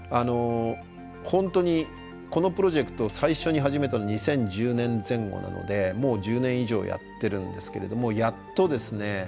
本当にこのプロジェクト最初に始めたの２０１０年前後なのでもう１０年以上やってるんですけれどもやっとですね